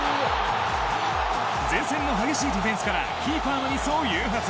前線の激しいディフェンスからキーパーのミスを誘発。